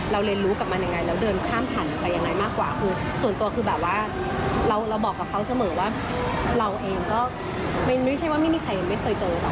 เราเจอกันเพราะว่าหนูกลงกลับมาเมือนพอ